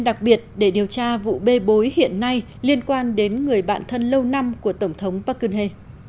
đặc biệt để điều tra vụ bê bối hiện nay liên quan đến người bạn thân lâu năm của tổng thống park geun hye